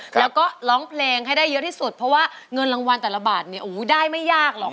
แล้วก็ร้องเพลงให้ได้เยอะที่สุดเพราะว่าเงินรางวัลแต่ละบาทเนี่ยได้ไม่ยากหรอก